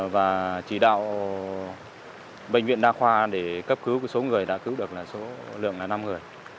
và chỉ đạo bệnh viện đa khoa để cấp cứu số người đã cứu được là số lượng là năm người